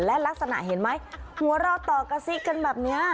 และลักษณะเห็นไหมหัวเราะต่อกระซิกันแบบนี้